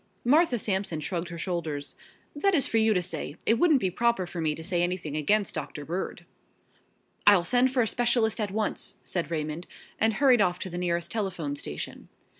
Martha Sampson shrugged her shoulders. "That is for you to say. It wouldn't be proper for me to say anything against Doctor Bird." "I'll send for a specialist at once," said Raymond, and hurried off to the nearest telephone station.